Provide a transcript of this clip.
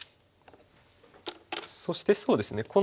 そしてそうですね